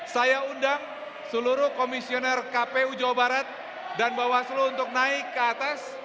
saya undang seluruh komisioner kpu jawa barat dan bawaslu untuk naik ke atas